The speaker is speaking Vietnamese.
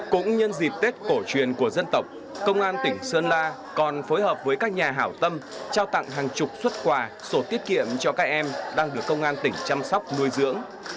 cũng nhân dịp tết cổ truyền của dân tộc công an tỉnh sơn la còn phối hợp với các nhà hảo tâm trao tặng hàng chục xuất quà sổ tiết kiệm cho các em đang được công an tỉnh chăm sóc nuôi dưỡng